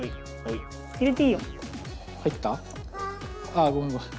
あ。ああごめんごめん。